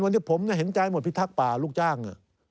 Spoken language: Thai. วันนี้ผมเห็นใจหมดพิทักษ์ป่าลูกจ้าง